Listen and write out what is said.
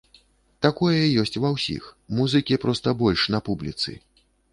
Такое ёсць ва ўсіх, музыкі проста больш на публіцы.